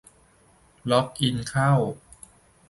ล็อกอินเข้า